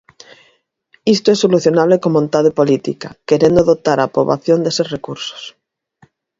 Isto é solucionable con vontade política, querendo dotar a poboación deses recursos.